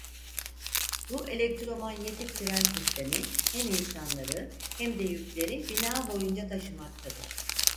Bu elektromanyetik tren sistemi hem insanları hem de yükleri bina boyunca taşımaktadır.